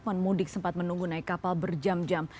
pun mudik sempat menunggu naik kapal berjam jam